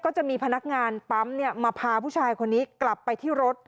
จะมีพนักงานปั๊มมาพาผู้ชายคนนี้กลับไปที่รถ